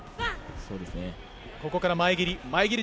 ここから前蹴り。